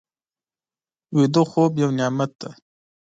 ویده خوب یو نعمت دی